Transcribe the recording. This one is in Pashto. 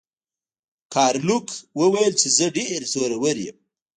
ګارلوک وویل چې زه ډیر زورور یم.